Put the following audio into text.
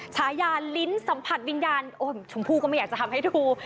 ฉายาลิ้นสัมผัสวิญญาณโอ้ยชมพู่ก็ไม่อยากจะทำให้ดู